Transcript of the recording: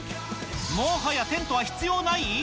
もはやテントは必要ない？